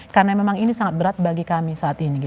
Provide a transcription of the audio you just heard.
karena memang ini sangat berat bagi kami saat ini